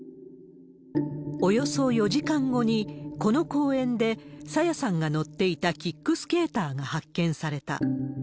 およそ４時間後に、この公園で、朝芽さんが乗っていたキックスケーターが発見された。